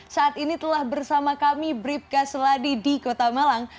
saat ini telah bersama kami bribka seladi di kota malang